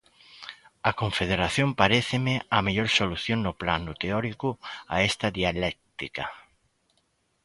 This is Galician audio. A confederación paréceme a mellor solución no plano teórico a esta dialéctica.